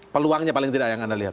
peluangnya paling tidak yang anda lihat